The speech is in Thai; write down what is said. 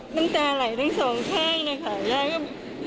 น้ำตาไหลทั้งสองข้างนะคะย่าก็